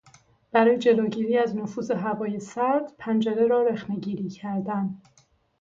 برای جلوگیری از نفوذ هوای سرد پنجره را رخنهگیری کردن